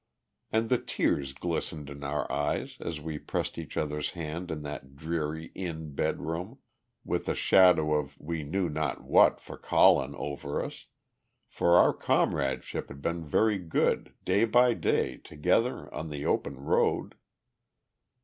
And the tears glistened in our eyes, as we pressed each other's hand in that dreary inn bedroom, with the shadow of we knew not what for Colin over us for our comradeship had been very good, day by day, together on the open road.